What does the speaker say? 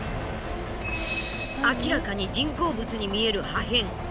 明らかに人工物に見える破片。